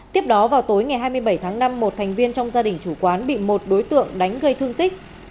tiếp đó vào tối ngày hai mươi bảy tháng năm một thành viên trong gia đình chủ quán bị một đối tượng đánh gây thương tích